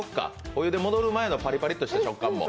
お湯で戻る前のパリパリとした食感も。